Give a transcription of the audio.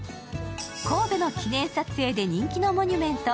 神戸の記念撮影で人気のモニュメント